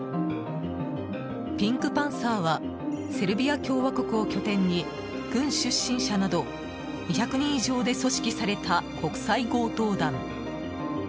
ピンクパンサーはセルビア共和国を拠点に軍出身者など２００人以上で組織された国際強盗団。